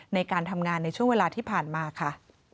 ในการทำงานในช่วงเวลาที่ผ่านมาค่ะ